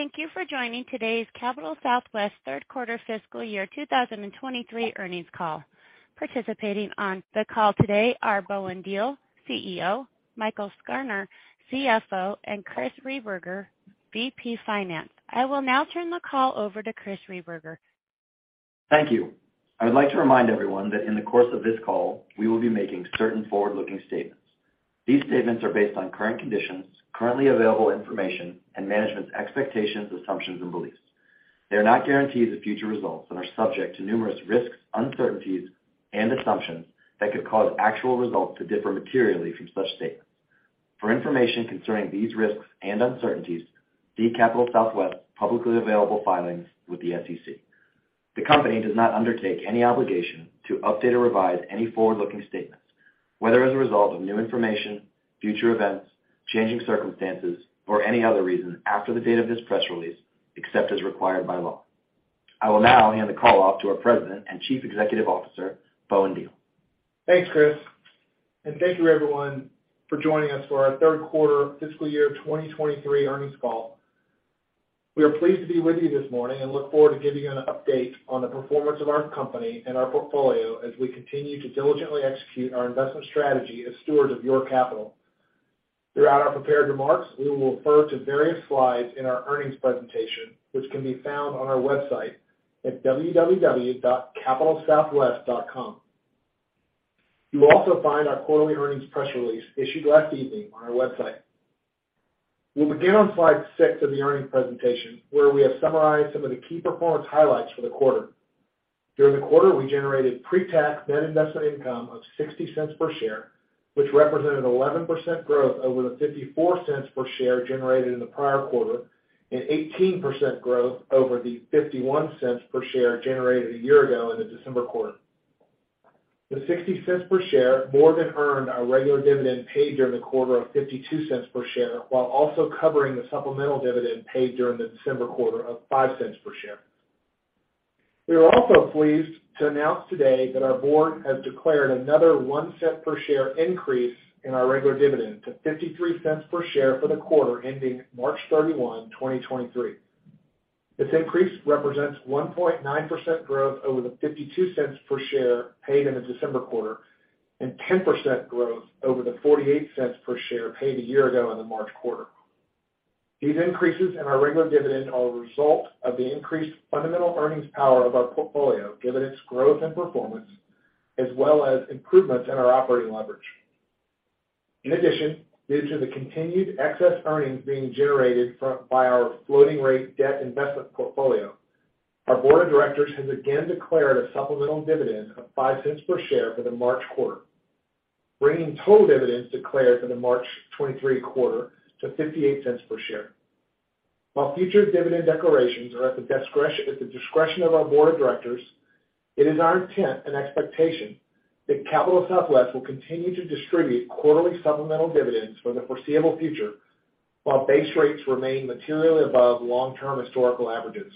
Thank you for joining today's Capital Southwest third quarter fiscal year 2023 earnings call. Participating on the call today are Bowen Diehl, CEO, Michael Sarner, CFO, and Chris Rehberger, VP Finance. I will now turn the call over to Chris Rehberger. Thank you. I would like to remind everyone that in the course of this call, we will be making certain forward-looking statements. These statements are based on current conditions, currently available information, and management's expectations, assumptions, and beliefs. They are not guarantees of future results and are subject to numerous risks, uncertainties, and assumptions that could cause actual results to differ materially from such statements. For information concerning these risks and uncertainties, see Capital Southwest publicly available filings with the SEC. The company does not undertake any obligation to update or revise any forward-looking statements, whether as a result of new information, future events, changing circumstances, or any other reason after the date of this press release, except as required by law. I will now hand the call off to our President and Chief Executive Officer, Bowen Diehl. Thanks, Chris. Thank you everyone for joining us for our third quarter fiscal year 2023 earnings call. We are pleased to be with you this morning and look forward to giving you an update on the performance of our company and our portfolio as we continue to diligently execute our investment strategy as stewards of your capital. Throughout our prepared remarks, we will refer to various slides in our earnings presentation, which can be found on our website at www.capitalsouthwest.com. You will also find our quarterly earnings press release issued last evening on our website. We'll begin on slide 6 of the earnings presentation, where we have summarized some of the key performance highlights for the quarter. During the quarter, we generated pre-tax net investment income of $0.60 per share, which represented 11% growth over the $0.54 per share generated in the prior quarter and 18% growth over the $0.51 per share generated a year ago in the December quarter. The $0.60 per share more than earned our regular dividend paid during the quarter of $0.52 per share, while also covering the supplemental dividend paid during the December quarter of $0.05 per share. We are also pleased to announce today that our board has declared another $0.01 per share increase in our regular dividend to $0.53 per share for the quarter ending March 31, 2023. This increase represents 1.9% growth over the $0.52 per share paid in the December quarter and 10% growth over the $0.48 per share paid a year ago in the March quarter. These increases in our regular dividend are a result of the increased fundamental earnings power of our portfolio, given its growth and performance, as well as improvements in our operating leverage. In addition, due to the continued excess earnings being generated by our floating rate debt investment portfolio, our board of directors has again declared a supplemental dividend of $0.05 per share for the March quarter, bringing total dividends declared for the March 2023 quarter to $0.58 per share. While future dividend declarations are at the discretion of our board of directors, it is our intent and expectation that Capital Southwest will continue to distribute quarterly supplemental dividends for the foreseeable future while base rates remain materially above long-term historical averages.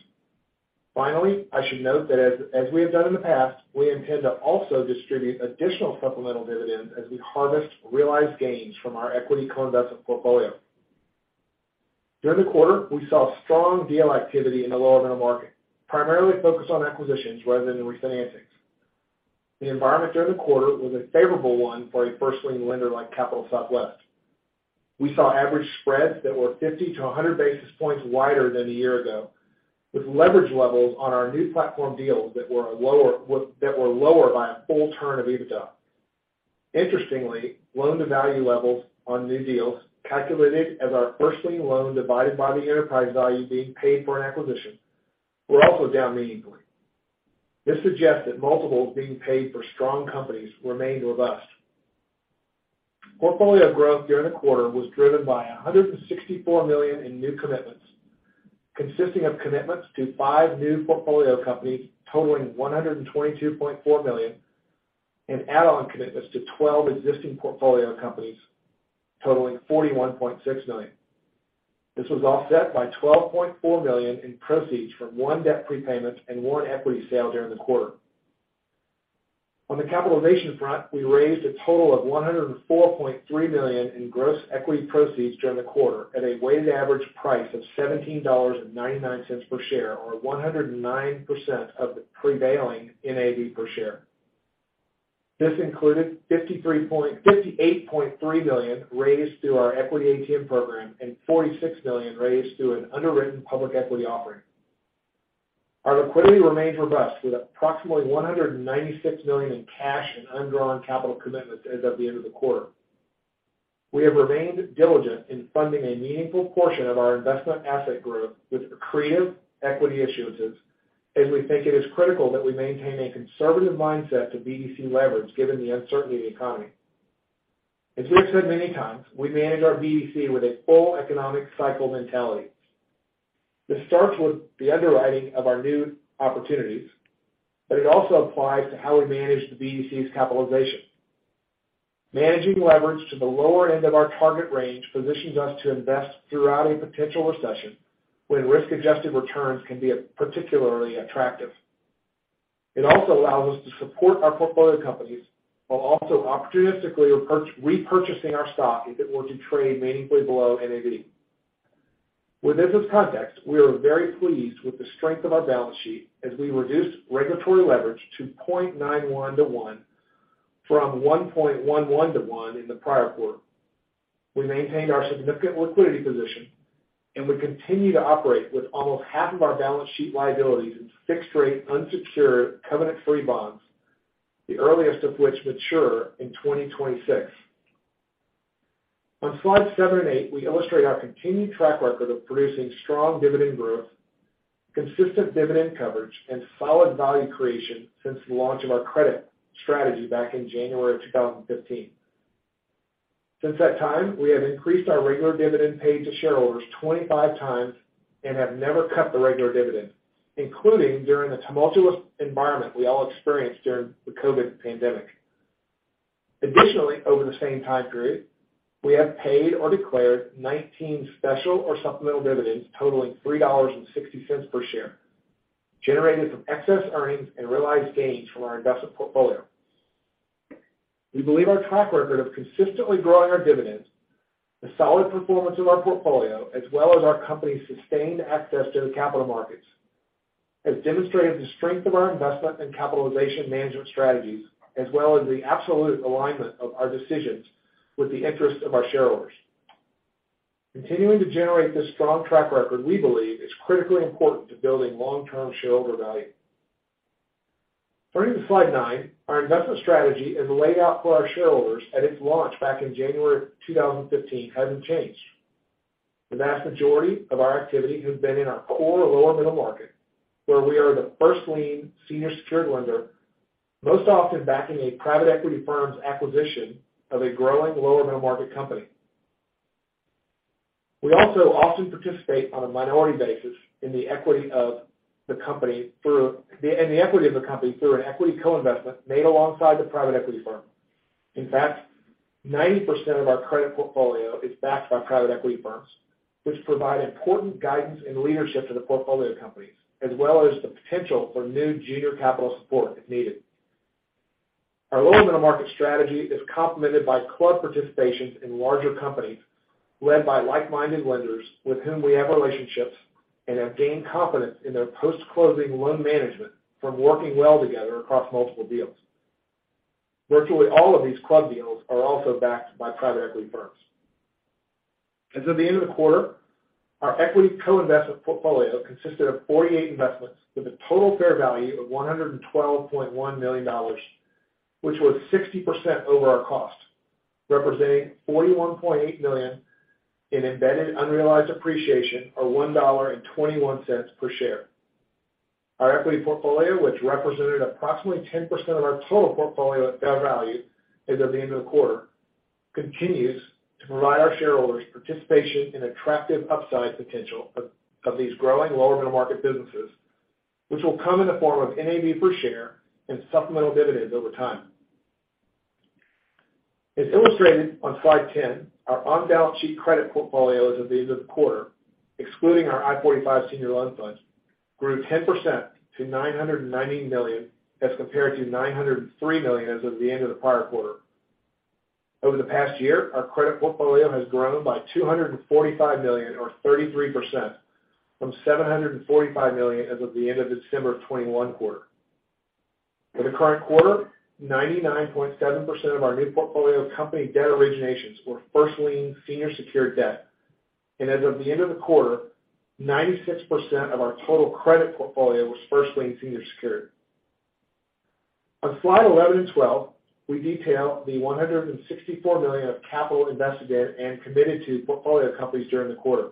Finally, I should note that as we have done in the past, we intend to also distribute additional supplemental dividends as we harvest realized gains from our equity co-investment portfolio. During the quarter, we saw strong deal activity in the lower middle market, primarily focused on acquisitions rather than refinancings. The environment during the quarter was a favorable one for a first lien lender like Capital Southwest. We saw average spreads that were 50-100 basis points wider than a year ago, with leverage levels on our new platform deals that were lower by 1 turn of EBITDA. Interestingly, loan-to-value levels on new deals, calculated as our first lien loan divided by the enterprise value being paid for an acquisition, were also down meaningfully. This suggests that multiples being paid for strong companies remained robust. Portfolio growth during the quarter was driven by $164 million in new commitments, consisting of commitments to five new portfolio companies totaling $122.4 million and add-on commitments to 12 existing portfolio companies totaling $41.6 million. This was offset by $12.4 million in proceeds from one debt prepayment and one equity sale during the quarter. On the capitalization front, we raised a total of $104.3 million in gross equity proceeds during the quarter at a weighted average price of $17.99 per share or 109% of the prevailing NAV per share. This included $58.3 million raised through our equity ATM program and $46 million raised through an underwritten public equity offering. Our liquidity remains robust with approximately $196 million in cash and undrawn capital commitments as of the end of the quarter. We have remained diligent in funding a meaningful portion of our investment asset growth with creative equity issuances as we think it is critical that we maintain a conservative mindset to BDC leverage given the uncertainty in the economy. As we have said many times, we manage our BDC with a full economic cycle mentality. This starts with the underwriting of our new opportunities, it also applies to how we manage the BDC's capitalization. Managing leverage to the lower end of our target range positions us to invest throughout a potential recession when risk-adjusted returns can be particularly attractive. It also allows us to support our portfolio companies while also opportunistically repurchasing our stock if it were to trade meaningfully below NAV. With this as context, we are very pleased with the strength of our balance sheet as we reduced regulatory leverage to 0.91-1 from 1.11-1 in the prior quarter. We maintained our significant liquidity position, and we continue to operate with almost half of our balance sheet liabilities in fixed rate unsecured covenant-free bonds, the earliest of which mature in 2026. On Slide 7 and 8, we illustrate our continued track record of producing strong dividend growth, consistent dividend coverage, and solid value creation since the launch of our credit strategy back in January of 2015. Since that time, we have increased our regular dividend paid to shareholders 25 times and have never cut the regular dividend, including during the tumultuous environment we all experienced during the COVID pandemic. Additionally, over the same time period, we have paid or declared 19 special or supplemental dividends totaling $3.60 per share, generated from excess earnings and realized gains from our investment portfolio. We believe our track record of consistently growing our dividends, the solid performance of our portfolio, as well as our company's sustained access to the capital markets, has demonstrated the strength of our investment and capitalization management strategies, as well as the absolute alignment of our decisions with the interests of our shareholders. Continuing to generate this strong track record, we believe, is critically important to building long-term shareholder value. Turning to Slide nine. Our investment strategy, as laid out for our shareholders at its launch back in January of 2015, hasn't changed. The vast majority of our activity has been in our core lower middle market, where we are the first lien senior secured lender, most often backing a private equity firm's acquisition of a growing lower middle market company. We also often participate on a minority basis in the equity of the company through an equity co-investment made alongside the private equity firm. In fact, 90% of our credit portfolio is backed by private equity firms, which provide important guidance and leadership to the portfolio companies, as well as the potential for new junior capital support if needed. Our lower middle market strategy is complemented by club participations in larger companies led by like-minded lenders with whom we have relationships and have gained confidence in their post-closing loan management from working well together across multiple deals. Virtually all of these club deals are also backed by private equity firms. As of the end of the quarter, our equity co-investment portfolio consisted of 48 investments with a total fair value of $112.1 million, which was 60% over our cost, representing $41.8 million in embedded unrealized appreciation or $1.21 per share. Our equity portfolio, which represented approximately 10% of our total portfolio at fair value as of the end of the quarter, continues to provide our shareholders participation in attractive upside potential of these growing lower middle market businesses, which will come in the form of NAV per share and supplemental dividends over time. As illustrated on Slide 10, our on-balance sheet credit portfolio as of the end of the quarter, excluding our I-45 Senior Loan Fund, grew 10% to $990 million as compared to $903 million as of the end of the prior quarter. Over the past year, our credit portfolio has grown by $245 million or 33% from $745 million as of the end of December of 2021 quarter. For the current quarter, 99.7% of our new portfolio company debt originations were first lien senior secured debt. As of the end of the quarter, 96% of our total credit portfolio was first lien senior secured. On Slide 11 and 12, we detail the $164 million of capital invested in and committed to portfolio companies during the quarter.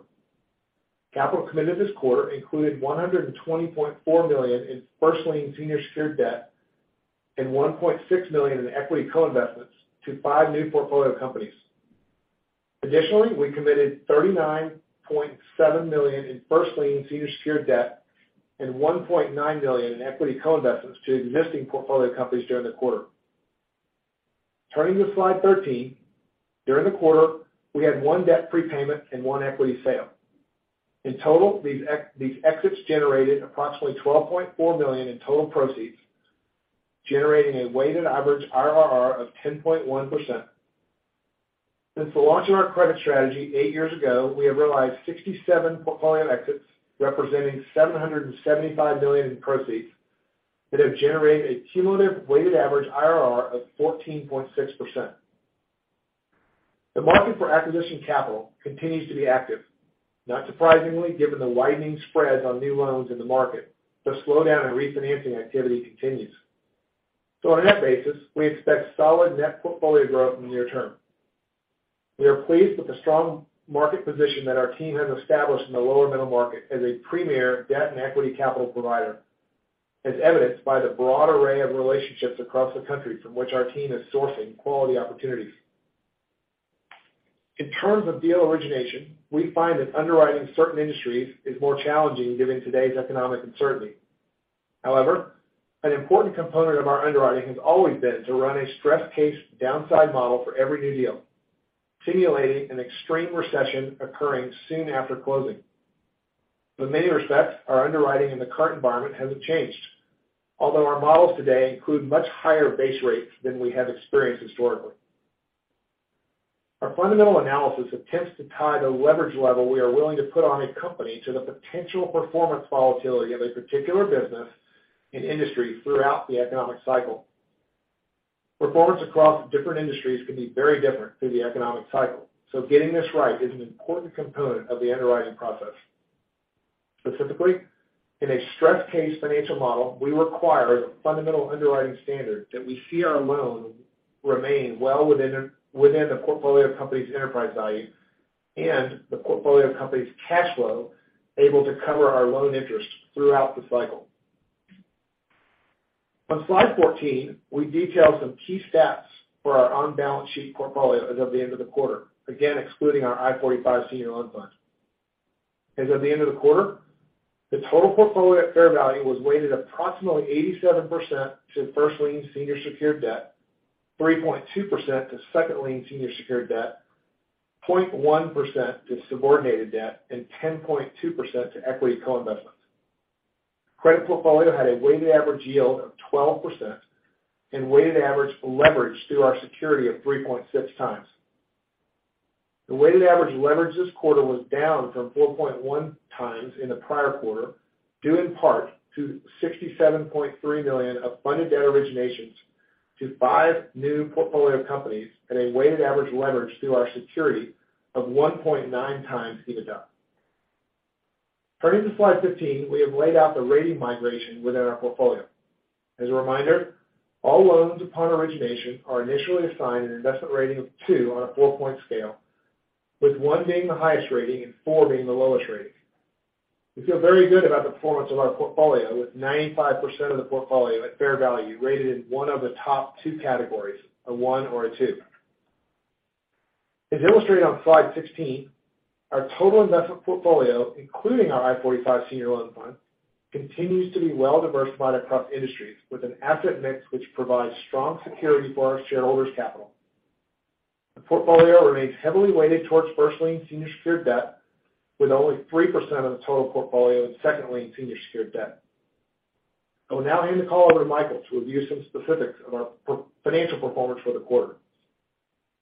Capital committed this quarter included $120.4 million in first lien senior secured debt and $1.6 million in equity co-investments to five new portfolio companies. We committed $39.7 million in first lien senior secured debt and $1.9 million in equity co-investments to existing portfolio companies during the quarter. Turning to Slide 13. During the quarter, we had one debt prepayment and one equity sale. In total, these exits generated approximately $12.4 million in total proceeds, generating a weighted average IRR of 10.1%. Since the launch of our credit strategy eight years ago, we have realized 67 portfolio exits, representing $775 million in proceeds that have generated a cumulative weighted average IRR of 14.6%. The market for acquisition capital continues to be active, not surprisingly, given the widening spreads on new loans in the market. The slowdown in refinancing activity continues. On that basis, we expect solid net portfolio growth in the near term. We are pleased with the strong market position that our team has established in the lower middle market as a premier debt and equity capital provider, as evidenced by the broad array of relationships across the country from which our team is sourcing quality opportunities. In terms of deal origination, we find that underwriting certain industries is more challenging given today's economic uncertainty. However, an important component of our underwriting has always been to run a stress case downside model for every new deal, simulating an extreme recession occurring soon after closing. In many respects, our underwriting in the current environment hasn't changed, although our models today include much higher base rates than we have experienced historically. Our fundamental analysis attempts to tie the leverage level we are willing to put on a company to the potential performance volatility of a particular business and industry throughout the economic cycle. Performance across different industries can be very different through the economic cycle, getting this right is an important component of the underwriting process. Specifically, in a stress case financial model, we require as a fundamental underwriting standard that we see our loan remain well within the portfolio company's enterprise value and the portfolio company's cash flow able to cover our loan interest throughout the cycle. On Slide 14, we detail some key stats for our on-balance sheet portfolio as of the end of the quarter, again, excluding our I-45 Senior Loan Fund. As of the end of the quarter, the total portfolio at fair value was weighted approximately 87% to first lien senior secured debt, 3.2% to second lien senior secured debt, 0.1% to subordinated debt, and 10.2% to equity co-investments. Credit portfolio had a weighted average yield of 12% and weighted average leverage through our security of 3.6x. The weighted average leverage this quarter was down from 4.1 times in the prior quarter, due in part to $67.3 million of funded debt originations to five new portfolio companies at a weighted average leverage through our security of 1.9 times EBITDA. Turning to Slide 15, we have laid out the rating migration within our portfolio. As a reminder, all loans upon origination are initially assigned an investment rating of 2 on a 4-point scale, with 1 being the highest rating and 4 being the lowest rating. We feel very good about the performance of our portfolio, with 95% of the portfolio at fair value rated in 1 of the top 2 categories, a 1 or a 2. As illustrated on Slide 16, our total investment portfolio, including our I-45 Senior Loan Fund, continues to be well diversified across industries with an asset mix which provides strong security for our shareholders' capital. The portfolio remains heavily weighted towards first lien senior secured debt with only 3% of the total portfolio in second lien senior secured debt. I will now hand the call over to Michael to review some specifics of our financial performance for the quarter.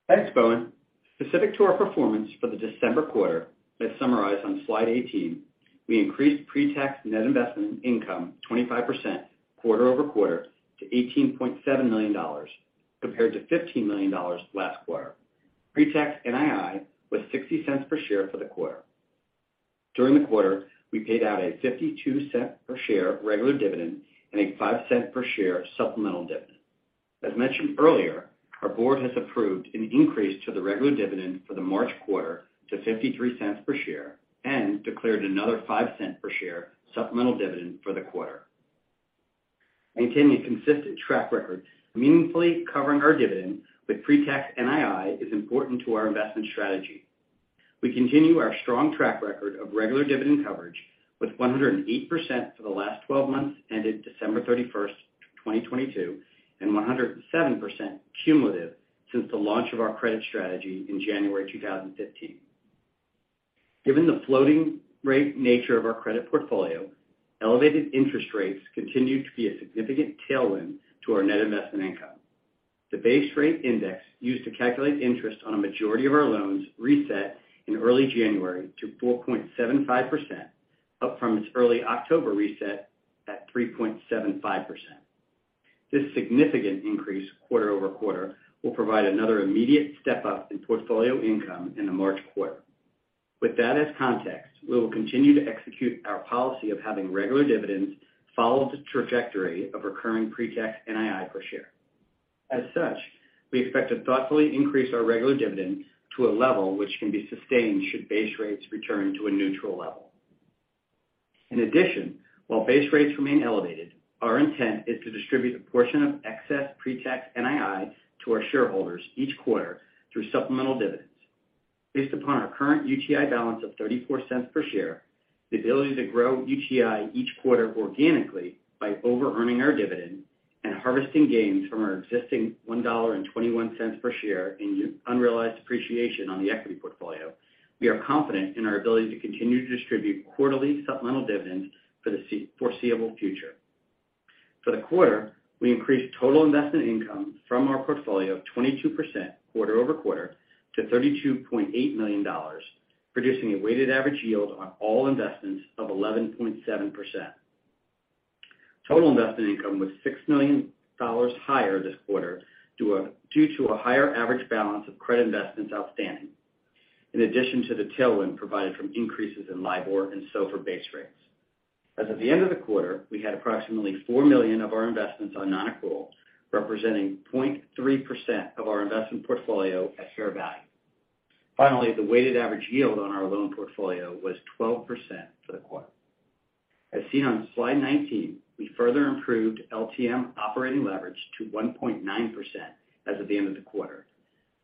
Thanks, Bowen. Specific to our performance for the December quarter, as summarized on Slide 18, we increased pre-tax net investment income 25% quarter-over-quarter to $18.7 million compared to $15 million last quarter. Pre-tax NII was $0.60 per share for the quarter. During the quarter, we paid out a $0.52 per share regular dividend and a $0.05 per share supplemental dividend. As mentioned earlier, our board has approved an increase to the regular dividend for the March quarter to $0.53 per share and declared another $0.05 per share supplemental dividend for the quarter. Maintaining a consistent track record, meaningfully covering our dividend with pre-tax NII is important to our investment strategy. We continue our strong track record of regular dividend coverage with 108% for the last 12 months ended December 31, 2022 and 107% cumulative since the launch of our credit strategy in January 2015. Given the floating rate nature of our credit portfolio, elevated interest rates continue to be a significant tailwind to our net investment income. The base rate index used to calculate interest on a majority of our loans reset in early January to 4.75%, up from its early October reset at 3.75%. This significant increase quarter-over-quarter will provide another immediate step up in portfolio income in the March quarter. With that as context, we will continue to execute our policy of having regular dividends follow the trajectory of recurring pre-tax NII per share. As such, we expect to thoughtfully increase our regular dividend to a level which can be sustained should base rates return to a neutral level. In addition, while base rates remain elevated, our intent is to distribute a portion of excess pre-tax NII to our shareholders each quarter through supplemental dividends. Based upon our current UTI balance of $0.34 per share, the ability to grow UTI each quarter organically by overearning our dividend and harvesting gains from our existing $1.21 per share in unrealized appreciation on the equity portfolio, we are confident in our ability to continue to distribute quarterly supplemental dividends for the foreseeable future. For the quarter, we increased total investment income from our portfolio of 22% quarter-over-quarter to $32.8 million, producing a weighted average yield on all investments of 11.7%. Total investment income was $6 million higher this quarter due to a higher average balance of credit investments outstanding. In addition to the tailwind provided from increases in LIBOR and SOFR base rates. As of the end of the quarter, we had approximately $4 million of our investments on non-accrual, representing 0.3% of our investment portfolio at fair value. Finally, the weighted average yield on our loan portfolio was 12% for the quarter. As seen on Slide 19, we further improved LTM operating leverage to 1.9% as of the end of the quarter.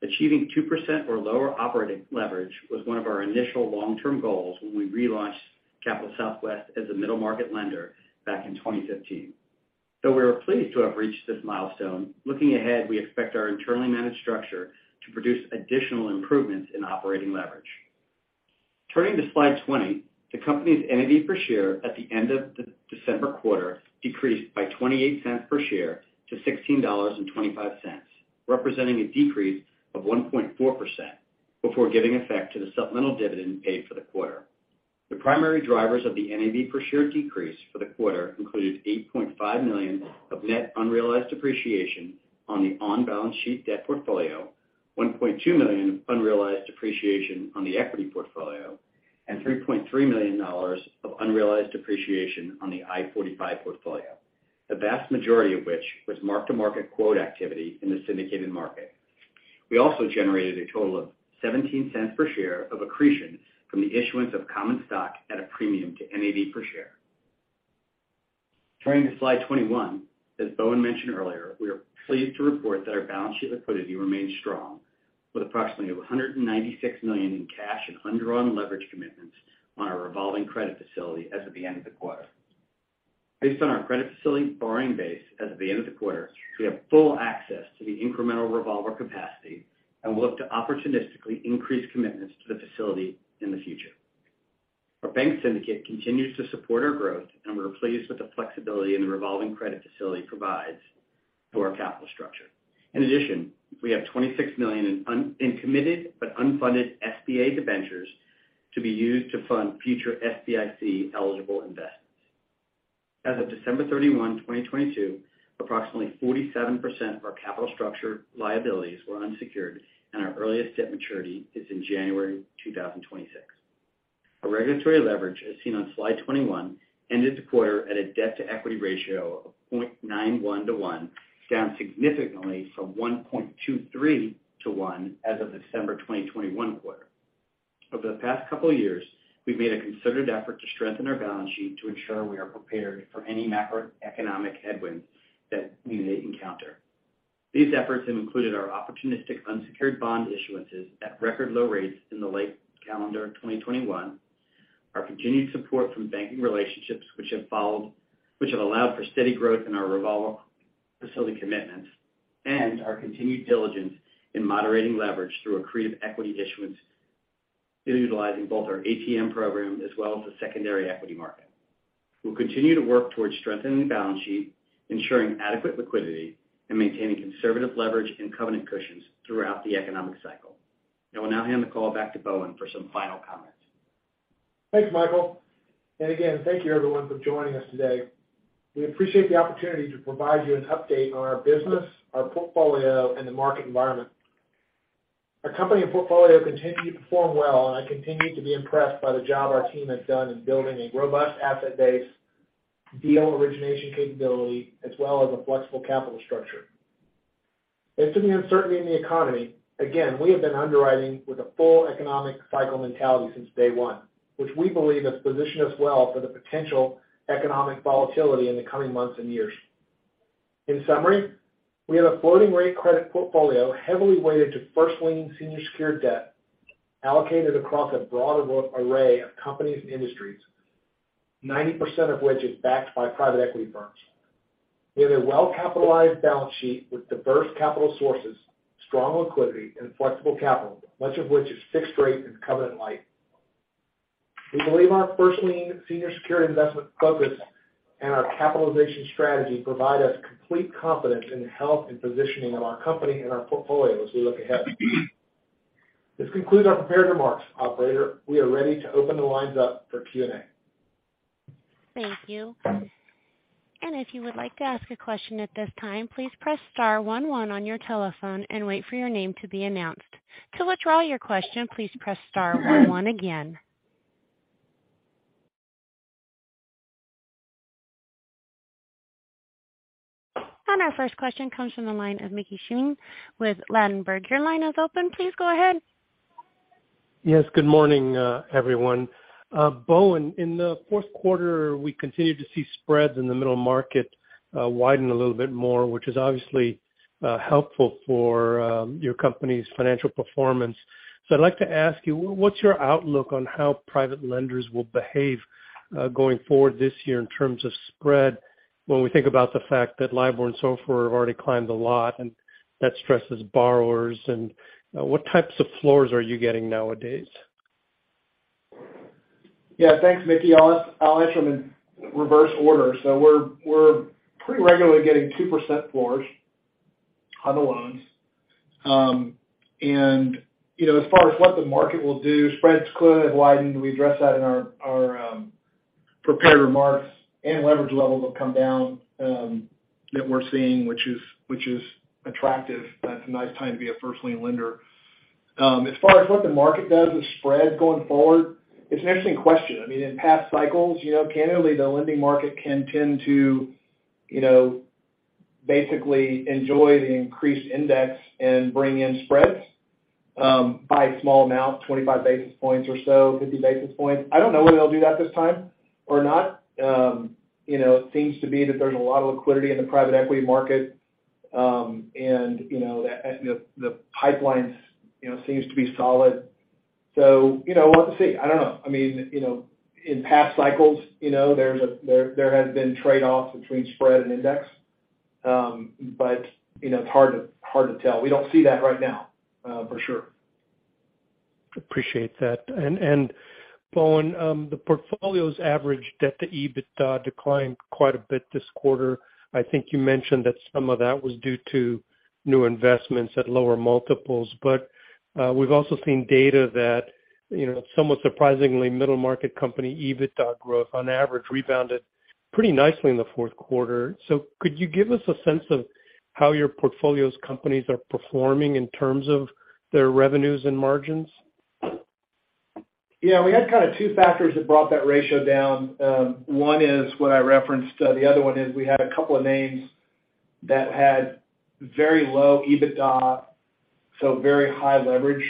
Achieving 2% or lower operating leverage was one of our initial long-term goals when we relaunched Capital Southwest as a middle market lender back in 2015. We are pleased to have reached this milestone. Looking ahead, we expect our internally managed structure to produce additional improvements in operating leverage. Turning to Slide 20, the company's NAV per share at the end of the December quarter decreased by $0.28 per share to $16.25, representing a decrease of 1.4% before giving effect to the supplemental dividend paid for the quarter. The primary drivers of the NAV per share decrease for the quarter included $8.5 million of net unrealized appreciation on the on-balance sheet debt portfolio, $1.2 million unrealized appreciation on the equity portfolio, and $3.3 million of unrealized appreciation on the I-45 portfolio, the vast majority of which was mark-to-market quote activity in the syndicated market. We also generated a total of $0.17 per share of accretion from the issuance of common stock at a premium to NAV per share. Turning to Slide 21, as Bowen mentioned earlier, we are pleased to report that our balance sheet liquidity remains strong with approximately $196 million in cash and undrawn leverage commitments on our revolving credit facility as of the end of the quarter. Based on our credit facility borrowing base as of the end of the quarter, we have full access to the incremental revolver capacity and will look to opportunistically increase commitments to the facility in the future. Our bank syndicate continues to support our growth, we're pleased with the flexibility in the revolving credit facility provides to our capital structure. In addition, we have $26 million in committed but unfunded SBA debentures to be used to fund future SBIC-eligible investments. As of December 31, 2022, approximately 47% of our capital structure liabilities were unsecured, and our earliest debt maturity is in January 2026. Our regulatory leverage, as seen on Slide 21, ended the quarter at a debt-to-equity ratio of 0.91-1, down significantly from 1.23-1 as of December 2021 quarter. Over the past couple of years, we've made a concerted effort to strengthen our balance sheet to ensure we are prepared for any macroeconomic headwinds that we may encounter. These efforts have included our opportunistic unsecured bond issuances at record low rates in the late calendar 2021, our continued support from banking relationships which have allowed for steady growth in our revolver facility commitments, and our continued diligence in moderating leverage through accretive equity issuance in utilizing both our ATM program as well as the secondary equity market. We'll continue to work towards strengthening the balance sheet, ensuring adequate liquidity, and maintaining conservative leverage and covenant cushions throughout the economic cycle. I will now hand the call back to Bowen for some final comments. Thanks, Michael. Again, thank you everyone for joining us today. We appreciate the opportunity to provide you an update on our business, our portfolio, and the market environment. Our company and portfolio continue to perform well, and I continue to be impressed by the job our team has done in building a robust asset base, deal origination capability, as well as a flexible capital structure. There's some uncertainty in the economy. Again, we have been underwriting with a full economic cycle mentality since day one, which we believe has positioned us well for the potential economic volatility in the coming months and years. In summary, we have a floating rate credit portfolio heavily weighted to first lien senior secured debt allocated across a broad array of companies and industries, 90% of which is backed by private equity firms. We have a well-capitalized balance sheet with diverse capital sources, strong liquidity and flexible capital, much of which is fixed rate and covenant light. We believe our first lien senior secured investment focus and our capitalization strategy provide us complete confidence in the health and positioning of our company and our portfolio as we look ahead. This concludes our prepared remarks. Operator, we are ready to open the lines up for Q&A. Thank you. If you would like to ask a question at this time, please press star one one on your telephone and wait for your name to be announced. To withdraw your question, please press star one one again. Our first question comes from the line of Mickey Schleien with Ladenburg. Your line is open. Please go ahead. Yes, good morning, everyone. Bowen, in the fourth quarter, we continued to see spreads in the middle market widen a little bit more, which is obviously helpful for your company's financial performance. I'd like to ask you, what's your outlook on how private lenders will behave going forward this year in terms of spread when we think about the fact that LIBOR and SOFR have already climbed a lot and that stresses borrowers, and what types of floors are you getting nowadays? Yeah. Thanks, Mickey. I'll answer them in reverse order. We're pretty regularly getting 2% floors on the loans. You know, as far as what the market will do, spreads could widen. We addressed that in our prepared remarks and leverage levels have come down that we're seeing, which is attractive. That's a nice time to be a first lien lender. As far as what the market does with spreads going forward, it's an interesting question. I mean, in past cycles, you know, candidly, the lending market can tend to, you know, basically enjoy the increased index and bring in spreads by a small amount, 25 basis points or so, 50 basis points. I don't know whether they'll do that this time or not. You know, it seems to be that there's a lot of liquidity in the private equity market, you know, the pipelines, you know, seems to be solid. You know, we'll have to see. I don't know. I mean, you know, in past cycles, you know, there has been trade-offs between spread and index. You know, it's hard to tell. We don't see that right now, for sure. Appreciate that. Bowen, the portfolio's average debt to EBITDA declined quite a bit this quarter. I think you mentioned that some of that was due to new investments at lower multiples. We've also seen data that, you know, somewhat surprisingly, middle market company EBITDA growth on average rebounded pretty nicely in the fourth quarter. Could you give us a sense of how your portfolio's companies are performing in terms of their revenues and margins? We had kinda two factors that brought that ratio down. One is what I referenced. The other one is we had a couple of names that had very low EBITDA, very high leverage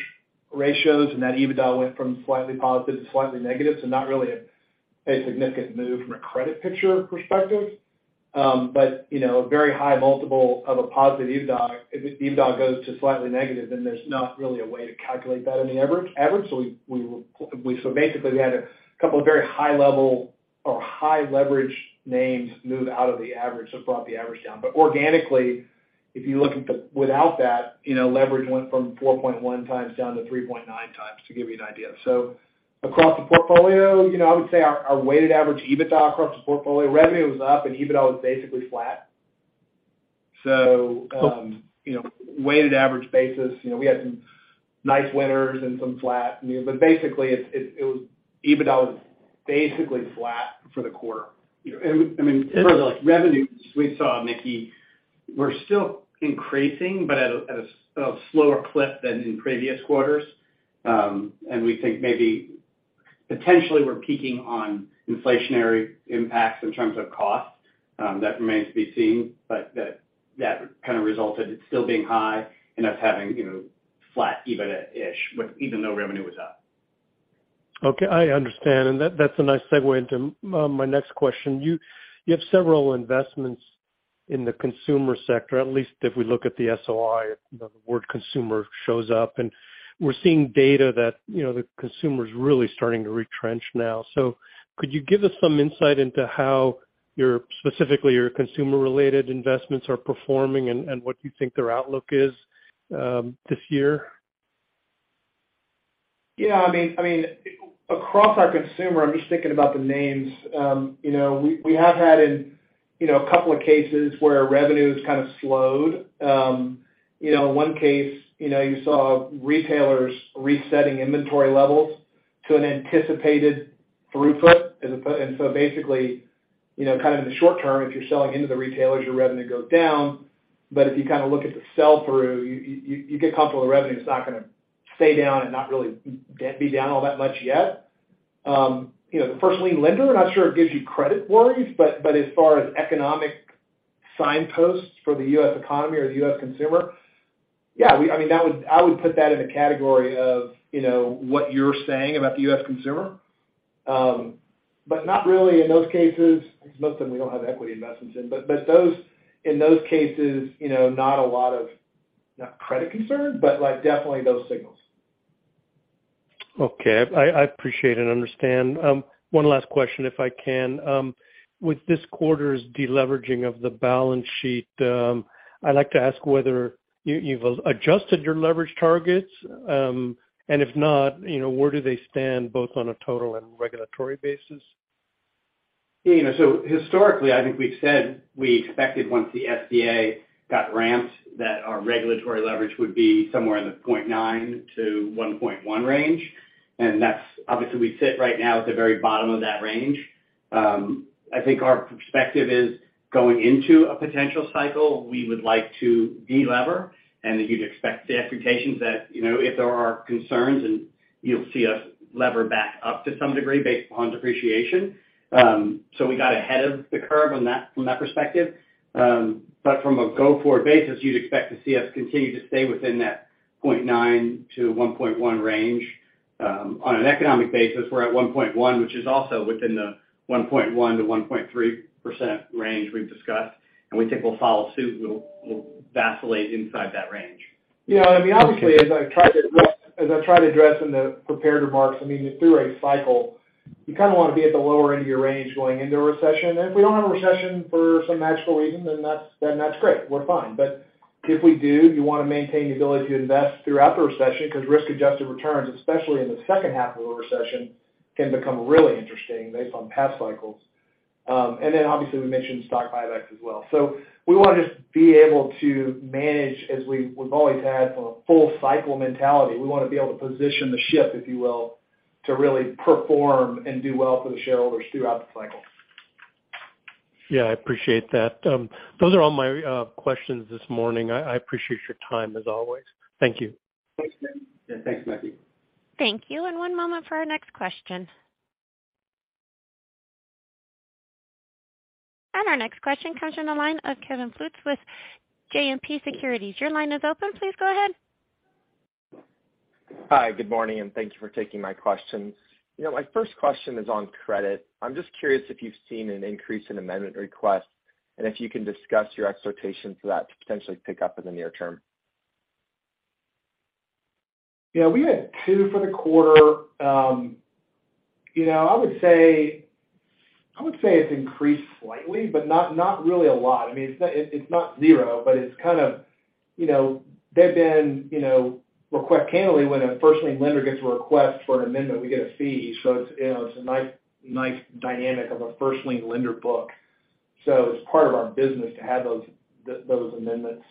ratios. That EBITDA went from slightly positive to slightly negative. Not really a significant move from a credit picture perspective. You know, a very high multiple of a positive EBITDA. If the EBITDA goes to slightly negative, there's not really a way to calculate that in the average. Basically we had a couple of very high level or high leverage names move out of the average, it brought the average down. Organically, if you look at without that, you know, leverage went from 4.1x down to 3.9x, to give you an idea. Across the portfolio, you know, I would say our weighted average EBITDA across the portfolio, revenue was up and EBITDA was basically flat. You know, weighted average basis, you know, we had some nice winners and some flat. Basically it was EBITDA was basically flat for the quarter. I mean, in terms of like revenues we saw, Mickey, we're still increasing, but at a slower clip than in previous quarters. We think maybe potentially we're peaking on inflationary impacts in terms of cost, that remains to be seen. That kind of resulted in it still being high and us having, you know, flat EBITDA-ish with, even though revenue was up. Okay, I understand. That's a nice segue into my next question. You have several investments in the consumer sector, at least if we look at the SOI, you know, the word consumer shows up. We're seeing data that, you know, the consumer's really starting to retrench now. Could you give us some insight into how your, specifically your consumer related investments are performing and what you think their outlook is this year? Yeah, I mean, across our consumer, I'm just thinking about the names. You know, we have had in, you know, a couple of cases where revenue has kind of slowed. You know, in one case, you know, you saw retailers resetting inventory levels to an anticipated through foot. Basically, you know, kind of in the short term, if you're selling into the retailers, your revenue goes down. If you kind of look at the sell through, you get comfortable the revenue's not gonna stay down and not really be down all that much yet. You know, the first lien lender, I'm not sure it gives you credit worries, but as far as economic signposts for the U.S. economy or the U.S. consumer, yeah, I mean, I would put that in the category of, you know, what you're saying about the U.S. consumer. Not really in those cases, because most of them we don't have equity investments in. Those, in those cases, you know, not a lot of, not credit concern, but like, definitely those signals. Okay. I appreciate and understand. One last question, if I can. With this quarter's deleveraging of the balance sheet, I'd like to ask whether you've adjusted your leverage targets. If not, you know, where do they stand, both on a total and regulatory basis? Yeah, you know, historically, I think we've said we expected once the FDA got ramped, that our regulatory leverage would be somewhere in the 0.9-1.1 range. That's obviously we sit right now at the very bottom of that range. I think our perspective is going into a potential cycle. We would like to delever and you'd expect the expectations that, you know, if there are concerns and you'll see us lever back up to some degree based upon depreciation. We got ahead of the curve from that perspective. From a go-forward basis, you'd expect to see us continue to stay within that 0.9-1.1 range. On an economic basis, we're at 1.1, which is also within the 1.1%-1.3% range we've discussed. We think we'll follow suit. We'll vacillate inside that range. Yeah, I mean, obviously, as I've tried to address in the prepared remarks, I mean, through a cycle, you kinda wanna be at the lower end of your range going into a recession. If we don't have a recession for some magical reason, then that's great, we're fine. If we do, you wanna maintain the ability to invest throughout the recession, 'cause risk-adjusted returns, especially in the second half of a recession, can become really interesting based on past cycles. Obviously we mentioned stock buybacks as well. We wanna just be able to manage as we've always had from a full cycle mentality. We wanna be able to position the ship, if you will, to really perform and do well for the shareholders throughout the cycle. Yeah, I appreciate that. Those are all my questions this morning. I appreciate your time as always. Thank you. Thanks, Mickey. Yeah, thanks Mickey. Thank you. One moment for our next question. Our next question comes from the line of Kevin Fultz with JMP Securities. Your line is open. Please go ahead. Hi, good morning, and thank you for taking my questions. You know, my first question is on credit. I'm just curious if you've seen an increase in amendment requests, and if you can discuss your expectations for that to potentially pick up in the near term. We had two for the quarter. You know, I would say it's increased slightly, but not really a lot. I mean, it's not zero, but it's kind of, you know, they've been, you know, request candidly, when a first lien lender gets a request for an amendment, we get a fee. It's, you know, it's a nice dynamic of a first lien lender book. It's part of our business to have those amendments.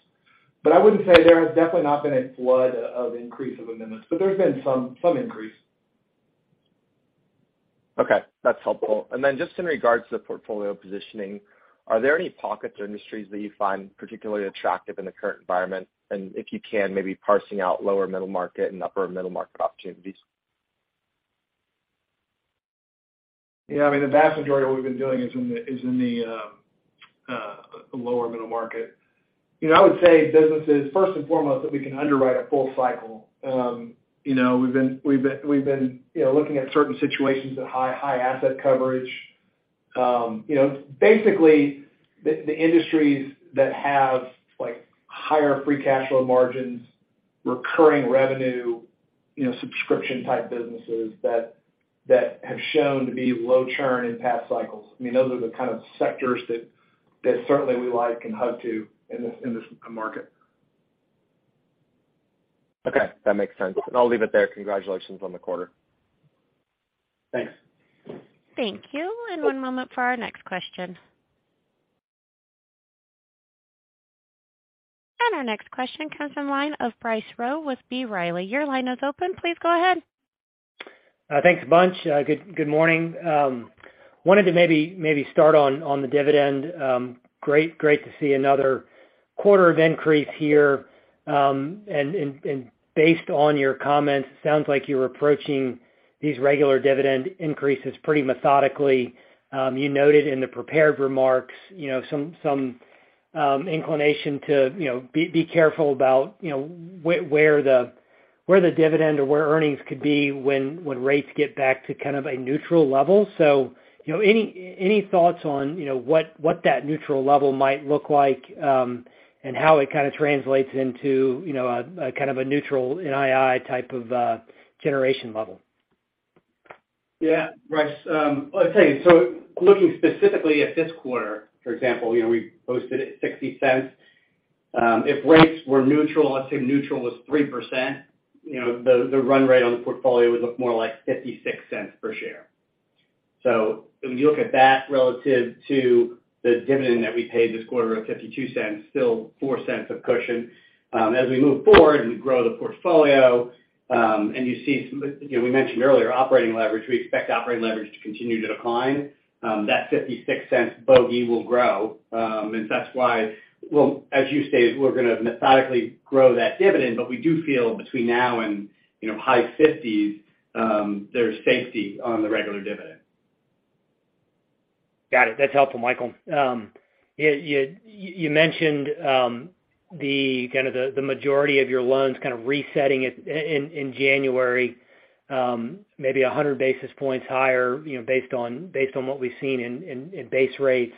I wouldn't say there has definitely not been a flood of increase of amendments, but there's been some increase. Okay, that's helpful. Just in regards to the portfolio positioning, are there any pockets or industries that you find particularly attractive in the current environment? If you can, maybe parsing out lower middle market and upper middle market opportunities. I mean, the vast majority of what we've been doing is in the lower middle market. You know, I would say businesses, first and foremost, that we can underwrite a full cycle. You know, we've been, you know, looking at certain situations at high asset coverage. You know, basically, the industries that have, like, higher free cash flow margins, recurring revenue, you know, subscription type businesses that have shown to be low churn in past cycles. I mean, those are the kind of sectors that certainly we like and hug to in this market. Okay, that makes sense. I'll leave it there. Congratulations on the quarter. Thanks. Thank you. One moment for our next question. Our next question comes from line of Bryce Rowe with B. Riley. Your line is open. Please go ahead. Thanks a bunch. Good morning. Wanted to start on the dividend. Great to see another quarter of increase here. Based on your comments, it sounds like you're approaching these regular dividend increases pretty methodically. You noted in the prepared remarks, you know, some inclination to, you know, be careful about, you know, where the dividend or where earnings could be when rates get back to kind of a neutral level. You know, any thoughts on, you know, what that neutral level might look like, and how it kind of translates into, you know, a kind of a neutral NII type of generation level? Yeah. Bryce, well, I'll tell you, looking specifically at this quarter, for example, you know, we posted at $0.60. If rates were neutral, let's say neutral was 3%, you know, the run rate on the portfolio would look more like $0.56 per share. When you look at that relative to the dividend that we paid this quarter of $0.52, still $0.04 of cushion. As we move forward and grow the portfolio, and you see some, you know, we mentioned earlier operating leverage, we expect operating leverage to continue to decline. That $0.56 bogey will grow. Well, as you say, we're gonna methodically grow that dividend, but we do feel between now and, you know, high $0.50s, there's safety on the regular dividend. Got it. That's helpful, Michael. Yeah, you mentioned the kind of the majority of your loans kind of resetting in January, maybe 100 basis points higher, you know, based on what we've seen in base rates.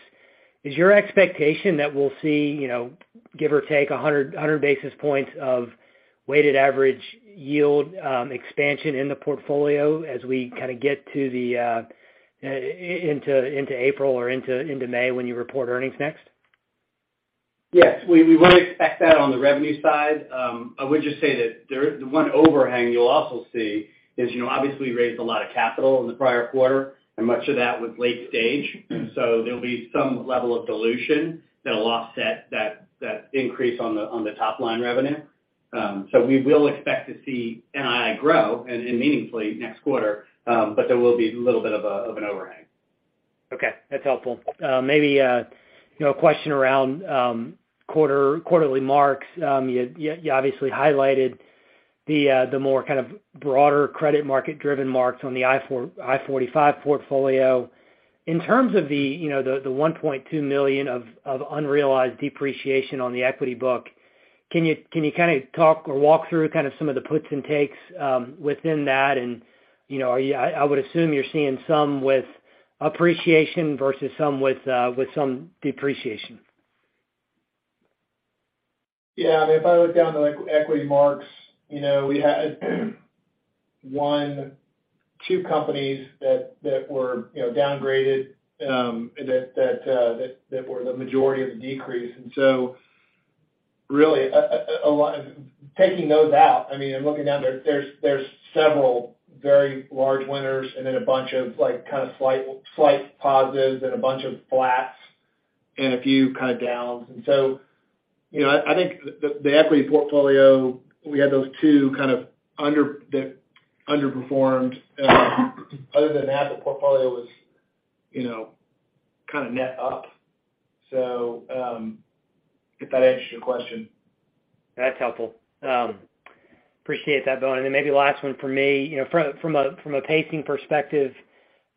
Is your expectation that we'll see, you know, give or take 100 basis points of weighted average yield expansion in the portfolio as we kind of get to the into April or into May when you report earnings next? Yes, we would expect that on the revenue side. I would just say that the one overhang you'll also see is, you know, obviously we raised a lot of capital in the prior quarter, and much of that was late stage. There'll be some level of dilution that'll offset that increase on the top line revenue. We will expect to see NII grow and meaningfully next quarter, there will be a little bit of a, of an overhang. Okay, that's helpful. You know, a question around quarterly marks. You obviously highlighted the more kind of broader credit market driven marks on the I-45 portfolio. In terms of the, you know, the $1.2 million of unrealized depreciation on the equity book, can you kind of talk or walk through kind of some of the puts and takes within that? You know, I would assume you're seeing some with appreciation versus some with some depreciation. Yeah, I mean, if I look down the like equity marks, you know, we had one, two companies that were, you know, downgraded, that were the majority of the decrease. Really, taking those out, I mean, looking down there's several very large winners and then a bunch of like, kind of slight positives and a bunch of flats and a few kind of downs. You know, I think the equity portfolio, we had those two kind of that underperformed. Other than that, the portfolio was, you know, kind of net up. If that answers your question. That's helpful. Appreciate that, Bowen. Then maybe last one for me. You know, from a pacing perspective,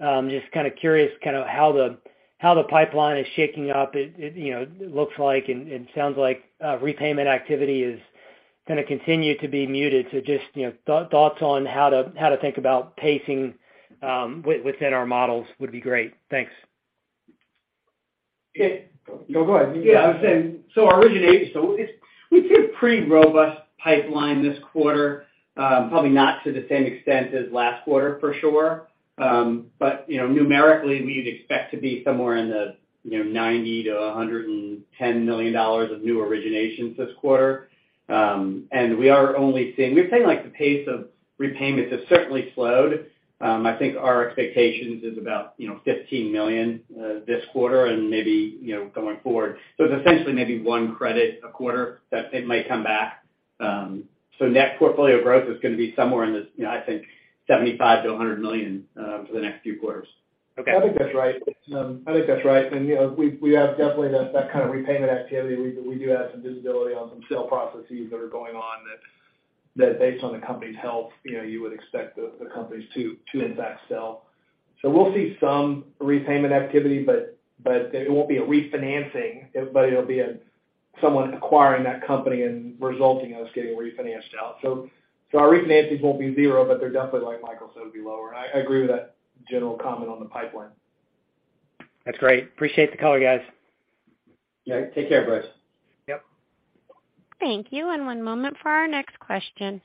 just kind of curious kind of how the pipeline is shaking up. It, you know, it looks like, and sounds like, repayment activity is going to continue to be muted. Just, you know, thoughts on how to think about pacing within our models would be great. Thanks. Yeah. No, go ahead. Yeah, I was saying, we see a pretty robust pipeline this quarter, probably not to the same extent as last quarter, for sure. You know, numerically, we'd expect to be somewhere in the, you know, $90 million-$110 million of new originations this quarter. We're seeing, like, the pace of repayments has certainly slowed. I think our expectations is about, you know, $15 million this quarter and maybe, you know, going forward. It's essentially maybe one credit a quarter that it might come back. Net portfolio growth is gonna be somewhere in this, you know, I think $75 million-$100 million for the next few quarters. Okay. I think that's right. I think that's right. You know, we have definitely that kind of repayment activity. We do have some visibility on some sale processes that are going on that based on the company's health, you know, you would expect the companies to in fact sell. We'll see some repayment activity, but it won't be a refinancing, but it'll be someone acquiring that company and resulting in us getting refinanced out. Our refinancings won't be zero, but they're definitely, like Michael said, will be lower. I agree with that general comment on the pipeline. That's great. Appreciate the color, guys. Yeah. Take care, Bryce. Yep. Thank you. One moment for our next question.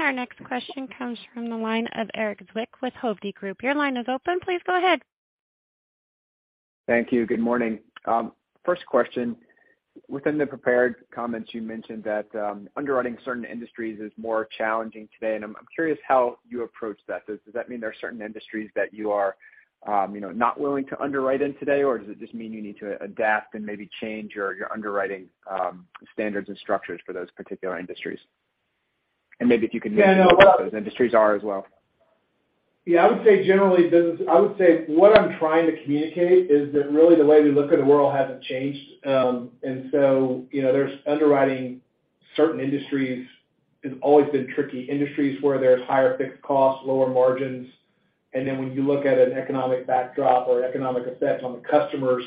Our next question comes from the line of Erik Zwick with Hovde Group. Your line is open. Please go ahead. Thank you. Good morning. First question, within the prepared comments, you mentioned that underwriting certain industries is more challenging today, and I'm curious how you approach that. Does that mean there are certain industries that you are, you know, not willing to underwrite in today, or does it just mean you need to adapt and maybe change your underwriting standards and structures for those particular industries? And maybe if you can mention- Yeah, no. What those industries are as well. Yeah, I would say what I'm trying to communicate is that really the way we look at the world hasn't changed. You know, there's underwriting certain industries has always been tricky. Industries where there's higher fixed costs, lower margins, when you look at an economic backdrop or economic effect on the customers,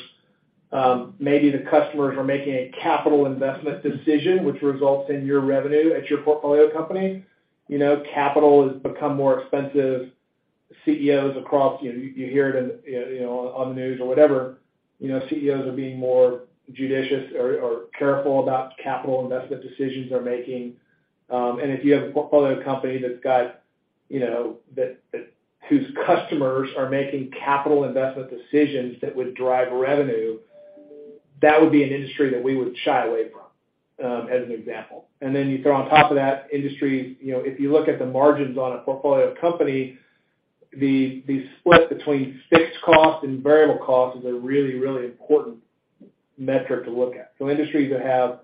maybe the customers are making a capital investment decision which results in your revenue at your portfolio company. You know, capital has become more expensive. CEOs across, you know, you hear it in, you know, on the news or whatever, you know, CEOs are being more judicious or careful about capital investment decisions they're making. If you have a portfolio company that's got, you know, that whose customers are making capital investment decisions that would drive revenue, that would be an industry that we would shy away from, as an example. Then you throw on top of that industry, you know, if you look at the margins on a portfolio company, the split between fixed cost and variable cost is a really, really important metric to look at. Industries that have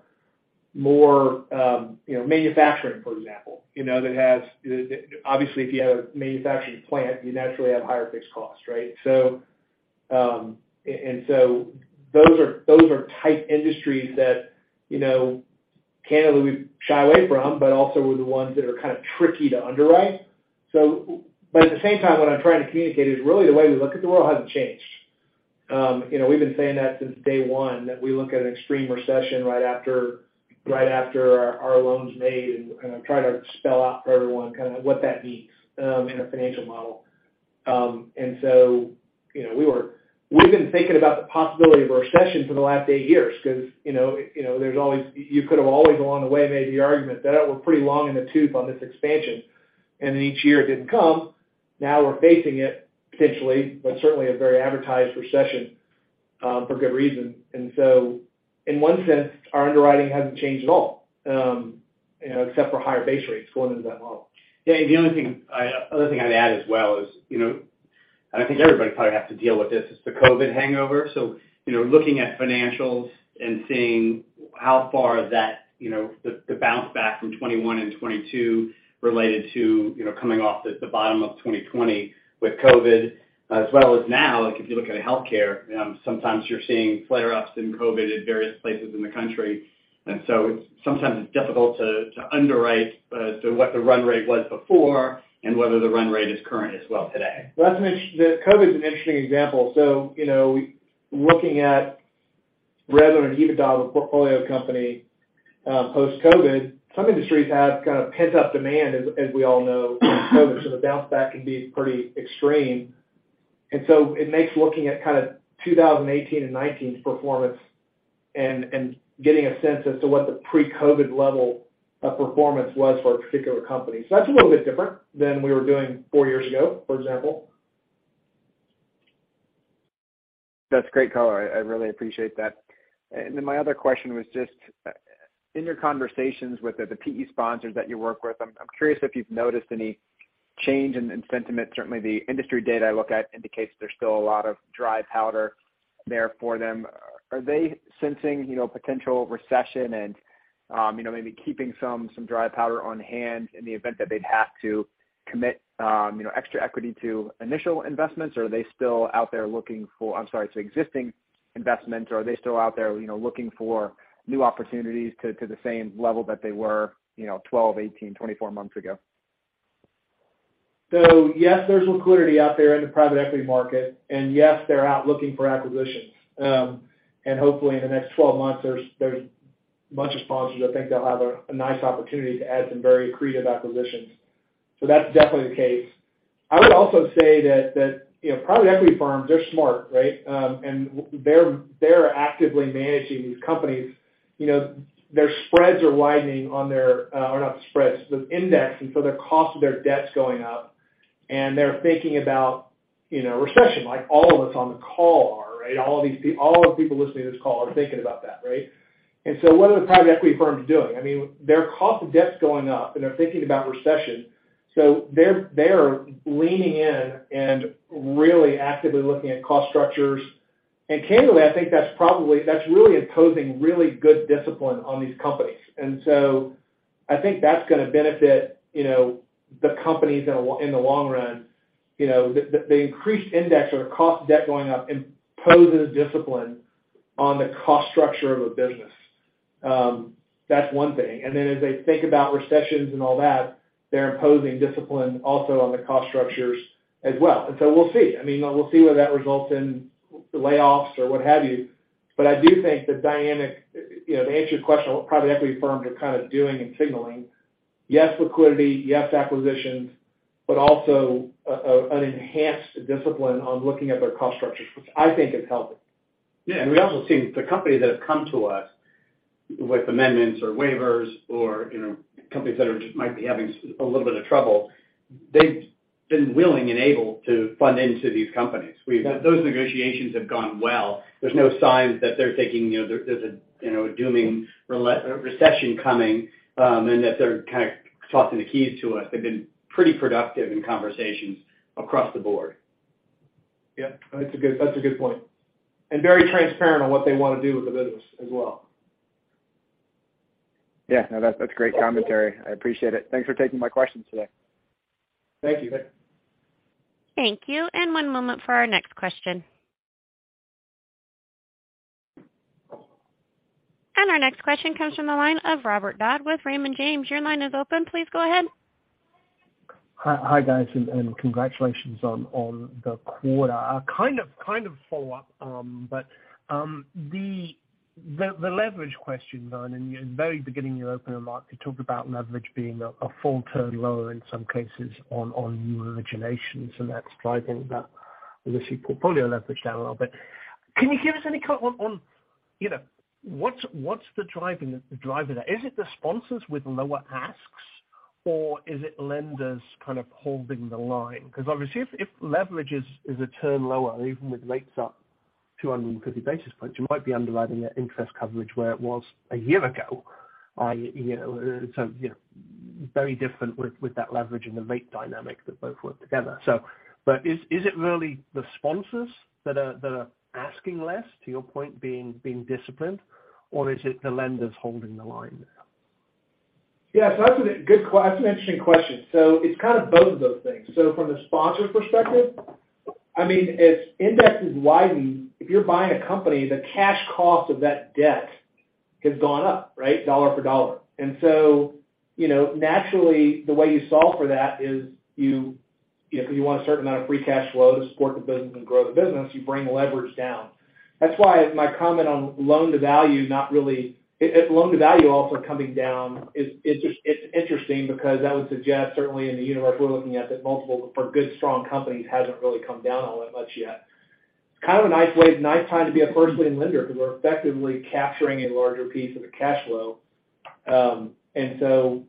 more, you know, manufacturing, for example, you know, that has, obviously, if you have a manufacturing plant, you naturally have higher fixed costs, right? Those are tight industries that, you know, candidly we shy away from, but also are the ones that are kind of tricky to underwrite. At the same time, what I'm trying to communicate is really the way we look at the world hasn't changed. You know, we've been saying that since day one, that we look at an extreme recession right after our loans made and I'm trying to spell out for everyone kinda what that means in a financial model. You know, we've been thinking about the possibility of a recession for the last 8 years 'cause, you know, you could have always along the way made the argument that we're pretty long in the tooth on this expansion. Each year it didn't come. Now we're facing it potentially, but certainly a very advertised recession, for good reason. In one sense, our underwriting hasn't changed at all, you know, except for higher base rates going into that model. Yeah, the only thing other thing I'd add as well is, you know, I think everybody probably has to deal with this, is the COVID hangover. You know, looking at financials and seeing how far that, you know, the bounce back from 2021 and 2022 related to, you know, coming off the bottom of 2020 with COVID, as well as now, like if you look at healthcare, sometimes you're seeing flare-ups in COVID at various places in the country. It's sometimes difficult to underwrite to what the run rate was before and whether the run rate is current as well today. Well, that's an interesting example. You know, looking at revenue and EBITDA of a portfolio company, post-COVID, some industries have kind of pent-up demand, as we all know from COVID, so the bounce back can be pretty extreme. It makes looking at kind of 2018 and 2019 performance and getting a sense as to what the pre-COVID level of performance was for a particular company. That's a little bit different than we were doing four years ago, for example. That's great color. I really appreciate that. My other question was just in your conversations with the PE sponsors that you work with, I'm curious if you've noticed any change in sentiment. Certainly the industry data I look at indicates there's still a lot of dry powder there for them. Are they sensing, you know, potential recession and, you know, maybe keeping some dry powder on hand in the event that they'd have to commit, you know, extra equity to initial investments? Or are they still out there looking for, I'm sorry, to existing investments, or are they still out there, you know, looking for new opportunities to the same level that they were, you know, 12, 18, 24 months ago? Yes, there's liquidity out there in the private equity market, and yes, they're out looking for acquisitions. Hopefully in the next 12 months there's a bunch of sponsors that think they'll have a nice opportunity to add some very accretive acquisitions. That's definitely the case. I would also say that, you know, private equity firms, they're smart, right? They're actively managing these companies. You know, their spreads are widening on their, or not spreads, the index, their cost of their debt's going up, they're thinking about, you know, recession like all of us on the call are, right? All of the people listening to this call are thinking about that, right? What are the private equity firms doing? I mean, their cost of debt's going up, and they're thinking about recession, so they're leaning in and really actively looking at cost structures. Candidly, I think that's really imposing really good discipline on these companies. I think that's gonna benefit, you know, the companies in the long run. You know, the increased index or cost of debt going up imposes discipline on the cost structure of a business. That's one thing. Then as they think about recessions and all that, they're imposing discipline also on the cost structures as well. We'll see. I mean, we'll see whether that results in layoffs or what have you, but I do think the dynamic, you know, to answer your question on what private equity firms are kind of doing and signaling, yes, liquidity, yes, acquisitions, but also a, an enhanced discipline on looking at their cost structures, which I think is healthy. Yeah. We also see the companies that have come to us with amendments or waivers or, you know, companies that are just might be having a little bit of trouble, they've been willing and able to fund into these companies. Yeah. Those negotiations have gone well. There's no signs that they're thinking, you know, there's a, you know, a dooming recession coming, and that they're kind of tossing the keys to us. They've been pretty productive in conversations across the board. Yeah. That's a good point, very transparent on what they wanna do with the business as well. No. That's great commentary. I appreciate it. Thanks for taking my questions today. Thank you. Thank you. One moment for our next question. Our next question comes from the line of Robert Dodd with Raymond James. Your line is open. Please go ahead. Hi guys, and congratulations on the quarter. A kind of follow-up, but the leverage question, Bowen, in the very beginning of your opening remarks, you talked about leverage being a full turn lower in some cases on new originations, and that's driving that, obviously, portfolio leverage down a little bit. Can you give us any color on, you know, what's the driver there? Is it the sponsors with lower asks or is it lenders kind of holding the line? Because obviously if leverage is a turn lower, even with rates up 250 basis points, you might be underwriting that interest coverage where it was a year ago. You know, very different with that leverage and the rate dynamic that both work together. But is it really the sponsors that are asking less, to your point, being disciplined, or is it the lenders holding the line there? Yeah. That's an interesting question. It's kind of both of those things. From the sponsor perspective, I mean, as index is widening, if you're buying a company, the cash cost of that debt has gone up, right? Dollar for dollar. You know, naturally, the way you solve for that is you know, 'cause you want a certain amount of free cash flow to support the business and grow the business, you bring the leverage down. That's why my comment on loan-to-value not really... If loan-to-value also coming down is, it's just, it's interesting because that would suggest, certainly in the universe we're looking at, that multiple for good, strong companies hasn't really come down all that much yet. It's kind of a nice way, nice time to be a first lien lender because we're effectively capturing a larger piece of the cash flow. In some...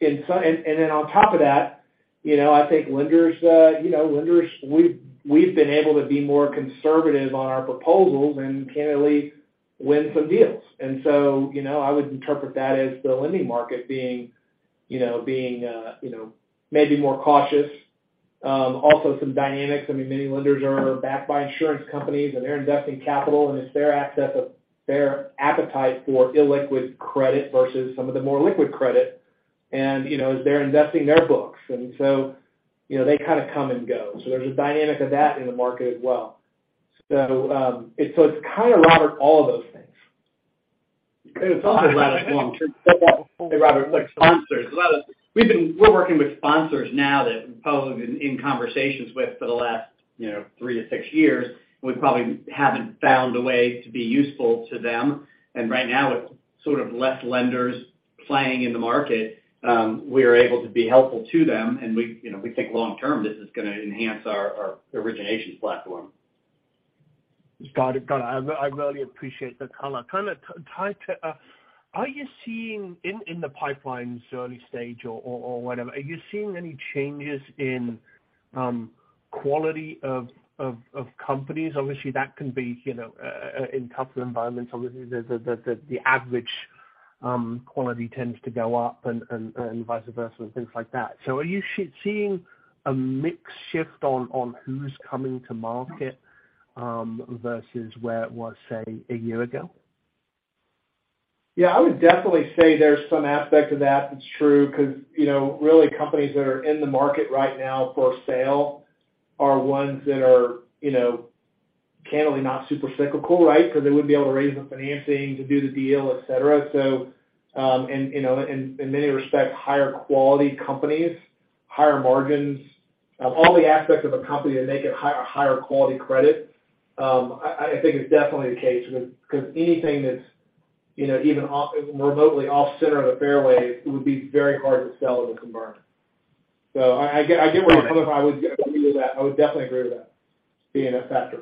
Then on top of that, you know, I think lenders, you know, lenders, we've been able to be more conservative on our proposals and candidly win some deals. You know, I would interpret that as the lending market being, you know, maybe more cautious. Also some dynamics. I mean, many lenders are backed by insurance companies, and they're investing capital, and it's their appetite for illiquid credit versus some of the more liquid credit. You know, as they're investing their books. You know, they kind of come and go. There's a dynamic of that in the market as well. It's kind of, Robert, all of those things. It's also, Robert. Go ahead. Hey, Robert, like sponsors. We're working with sponsors now that we've probably been in conversations with for the last, you know, 3 to 6 years. We probably haven't found a way to be useful to them. Right now, with sort of less lenders playing in the market, we are able to be helpful to them. We, you know, we think long term this is gonna enhance our origination platform. Got it. Got it. I really appreciate the color. Kinda tied to, Are you seeing in the pipelines early stage or, whatever, are you seeing any changes in quality of companies? Obviously, that can be, you know, in tougher environments, obviously the average quality tends to go up and vice versa and things like that. Are you seeing a mix shift on who's coming to market versus where it was, say, a year ago? Yeah. I would definitely say there's some aspect of that that's true 'cause, you know, really companies that are in the market right now for sale are ones that are, you know-Candidly not super cyclical, right? Because they wouldn't be able to raise the financing to do the deal, et cetera. And, you know, in many respects, higher quality companies, higher margins. All the aspects of a company that make it higher quality credit, I think is definitely the case because anything that's, you know, even remotely off center of the fairway would be very hard to sell in the conversion. I get where you're coming from. I would agree with that. I would definitely agree with that being a factor.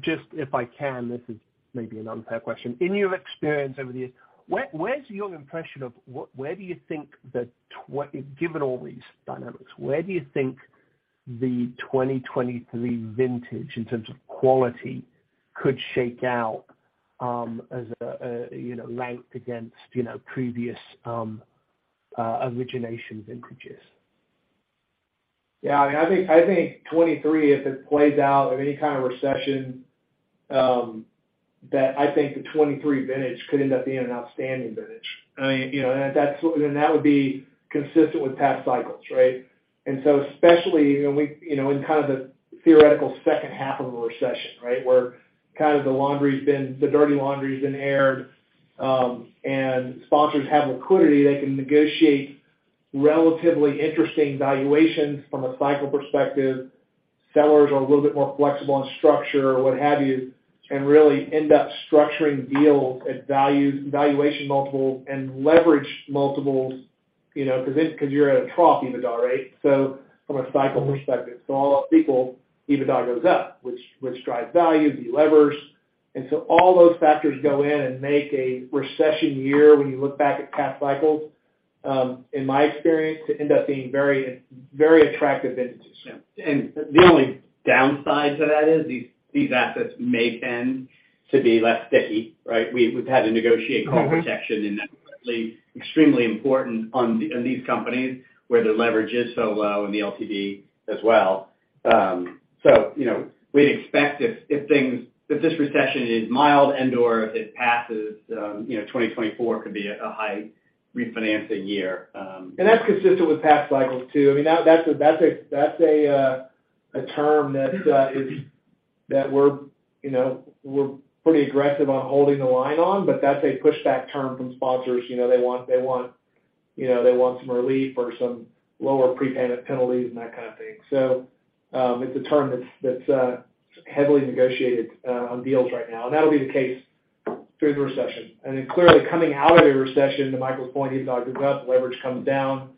Just if I can, this is maybe an unfair question. In your experience over the years, where's your impression of given all these dynamics, where do you think the 2023 vintage in terms of quality could shake out, as a, you know, ranked against, you know, previous origination vintages? I think 23, if it plays out of any kind of recession, that I think the 23 vintage could end up being an outstanding vintage. I, you know, that's and that would be consistent with past cycles, right? Especially, you know, we, you know, in kind of the theoretical second half of a recession, right? Where kind of the laundry's been, the dirty laundry's been aired, and sponsors have liquidity, they can negotiate relatively interesting valuations from a cycle perspective. Sellers are a little bit more flexible on structure or what have you, and really end up structuring deals at values, valuation multiples and leverage multiples, you know, because you're at a trough EBITDA, right? From a cycle perspective. All else equal, EBITDA goes up, which drives value, de-levers. All those factors go in and make a recession year when you look back at past cycles, in my experience, to end up being very, very attractive vintages. Yeah. The only downside to that is these assets may tend to be less sticky, right? We've had to negotiate call protection, and that's extremely important in these companies where the leverage is so low in the LTV as well. You know, we'd expect if things, if this recession is mild and/or if it passes, you know, 2024 could be a high refinancing year. That's consistent with past cycles, too. I mean, that's a term that we're, you know, we're pretty aggressive on holding the line on, but that's a pushback term from sponsors. You know, they want, you know, they want some relief or some lower prepayment penalties and that kind of thing. It's a term that's heavily negotiated on deals right now, and that'll be the case through the recession. Clearly coming out of a recession, to Michael's point, EBITDA goes up, leverage comes down,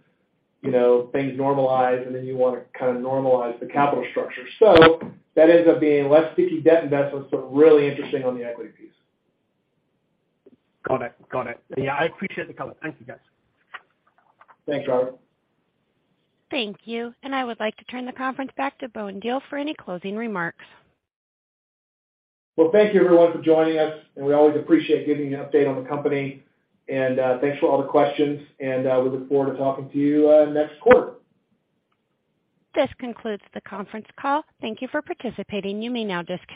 you know, things normalize, and then you wanna kinda normalize the capital structure. That ends up being less sticky debt investments, but really interesting on the equity piece. Got it. Yeah, I appreciate the color. Thank you, guys. Thanks, Robert. Thank you. I would like to turn the conference back to Bowen Diehl for any closing remarks. Well, thank you everyone for joining us, and we always appreciate giving you an update on the company. Thanks for all the questions, and we look forward to talking to you next quarter. This concludes the conference call. Thank you for participating. You may now disconnect.